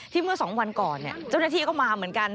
ทีมื้อสองวันก่อนเจ้าหน้าที่เขามาเหมือนกัน